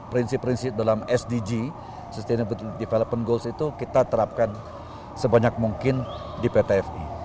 prinsip prinsip dalam sdg sustainable development goals itu kita terapkan sebanyak mungkin di pt fi